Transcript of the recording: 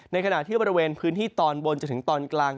ขณะที่บริเวณพื้นที่ตอนบนจนถึงตอนกลาง